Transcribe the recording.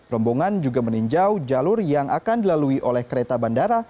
rombongan juga meninjau jalur yang akan dilalui oleh kereta bandara